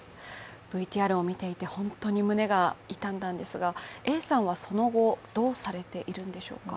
ＶＴＲを見ていて本当に胸が痛んだんですが、Ａさんはその後、どうされているんでしょうか。